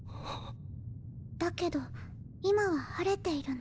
だけど今は晴れているの。